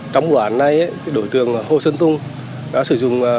trong quản này đội tường hồ sơn tùng đã sử dụng